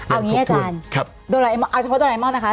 เอางี้อาจารย์เอาเฉพาะโดไลมอนนะคะ